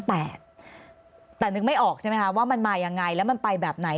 แต่นึกไม่ออกใช่ไหมคะว่ามันมายังไงแล้วมันไปแบบไหน